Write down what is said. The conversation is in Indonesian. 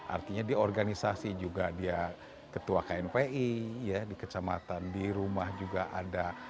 artinya di organisasi juga dia ketua knpi ya di kecamatan di rumah juga ada